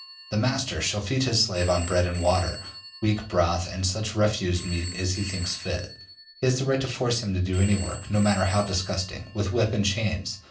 The master shall feed his slave on bread and water, weak broth and such refuse meat as he thinks fit. He has the right to force him to do any work, no matter how disgusting, with whip and chains.